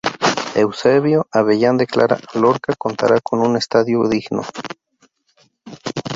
Eusebio Abellán declara: ""Lorca contará con un estadio digno.